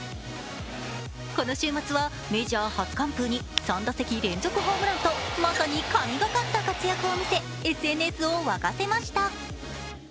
この週末はメジャー初完封に３打席連続ホームランとまさに神がかった活躍を見せＳＮＳを沸かせました。